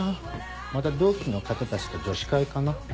また同期の方たちと女子会かな？